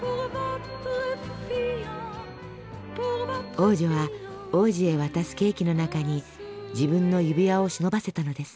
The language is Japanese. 王女は王子へ渡すケーキの中に自分の指輪を忍ばせたのです。